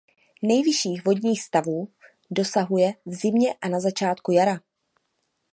Nejvyšších vodních stavů dosahuje v zimě a na začátku jara.